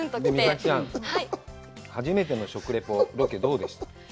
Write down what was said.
美咲ちゃん、初めての食レポ、ロケ、どうでした？